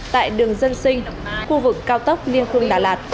tại đường dân sinh khu vực cao tốc liên khương đà lạt